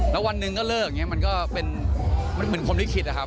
แล้ววันหนึ่งก็เลิกอย่างนี้มันก็เป็นเหมือนคนที่คิดอะครับ